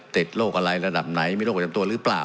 ติดโรคอะไรระดับไหนมีโรคประจำตัวหรือเปล่า